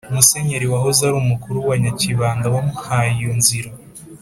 musenyeri wahoze ari umukuru wa nyakibanda wamhaye iyo nzira,